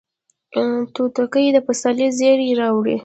توتکۍ د پسرلي زیری راوړي